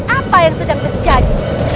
apa yang sedang terjadi